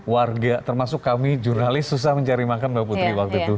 warga termasuk kami jurnalis susah mencari makan mbak putri waktu itu